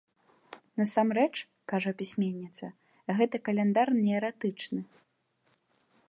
Насамрэч, кажа пісьменніца, гэты каляндар неэратычны.